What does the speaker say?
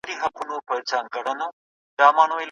دا کار ټولنه پیاوړې کوي.